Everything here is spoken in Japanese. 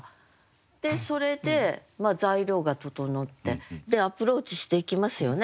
でそれで材料が調ってでアプローチしていきますよね